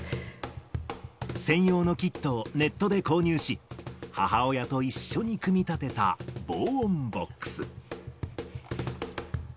専用のキットをネットで購入し、母親と一緒に組み立てた防音ボックス。